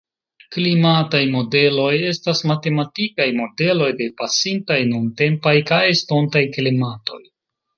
Klimataj modeloj estas matematikaj modeloj de pasintaj, nuntempaj kaj estontaj klimatoj.